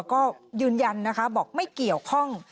ก็ยืนยันนะคะบอกไม่เกี่ยวข้อง